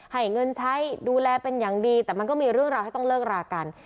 ให้เงินใช้ดูแลเป็นอย่างดีแต่มันก็มีเรื่องราวให้ต้องเลิกรากัน